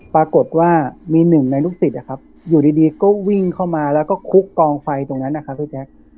ปรากฏว่ามีหนึ่งในลูกศิษย์อะครับอยู่ดีดีก็วิ่งเข้ามาแล้วก็คุกกองไฟตรงนั้นอะครับ